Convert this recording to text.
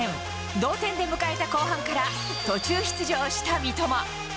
同点で迎えた後半から途中出場した三笘。